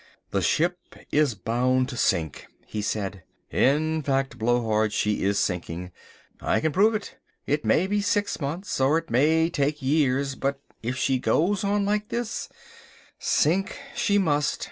"The ship is bound to sink," he said, "in fact, Blowhard, she is sinking. I can prove it. It may be six months or it may take years, but if she goes on like this, sink she must.